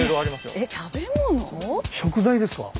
食材ですか？